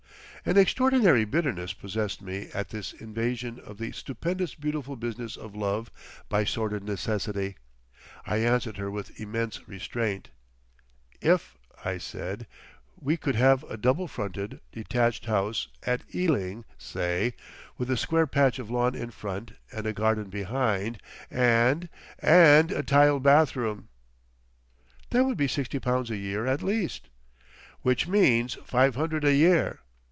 An extraordinary bitterness possessed me at this invasion of the stupendous beautiful business of love by sordid necessity. I answered her with immense restraint. "If," I said, "we could have a double fronted, detached house—at Ealing, say—with a square patch of lawn in front and a garden behind—and—and a tiled bathroom." "That would be sixty pounds a year at least." "Which means five hundred a year....